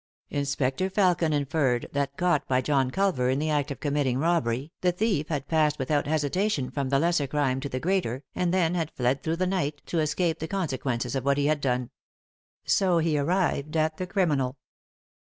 Inspector Felkin inferred that, caught by John Culver in the act or committing robbery, the thief had passed without hesitation from the lesser crime to the greater, and then 30 3i 9 iii^d by Google THE INTERRUPTED KISS bad fled through the night to escape the consequences of what he had done. So he arrived at the criminal.